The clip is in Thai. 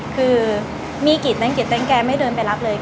คือมีกิจตั้งแกไม่เดินไปรับเลย